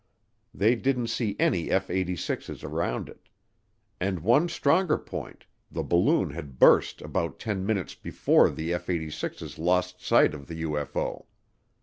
They didn't see any F 86's around it. And one stronger point, the balloon had burst about ten minutes before the F 86's lost sight of the UFO.